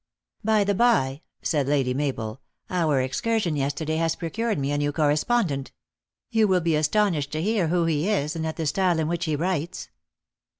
" By the bye," said Lady Mabel, "our excursion yesterday has procured me anew correspondent. You will be astonished to hear who he is, and at the style in which he writes."